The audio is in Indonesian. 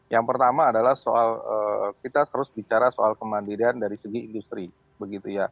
yang pertama adalah kita harus bicara soal kemandiran dari segi industri